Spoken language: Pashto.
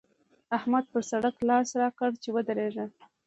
احمد پر سړک لاس راکړ چې ودرېږه!